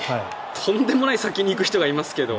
とんでもない先に行く人がいますけど。